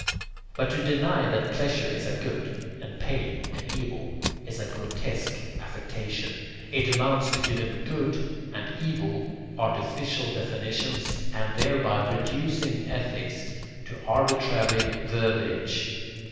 But to deny that pleasure is a good and pain an evil is a grotesque affectation: it amounts to giving "good" and "evil" artificial definitions and thereby reducing ethics to arbitrary verbiage.